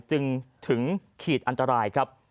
จึงถึงขีดอันตรายครับ